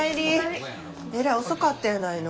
えらい遅かったやないの。